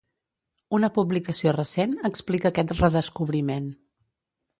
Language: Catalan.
Una publicació recent explica aquest redescobriment.